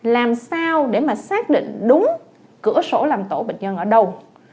làm sao để mà xác định đúng cửa sổ làm tổ bệnh nhân ở đâu